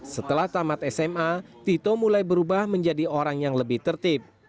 setelah tamat sma tito mulai berubah menjadi orang yang lebih tertib